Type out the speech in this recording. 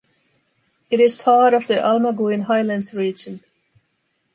It is part of the Almaguin Highlands region.